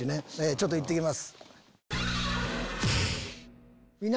ちょっと行ってきます。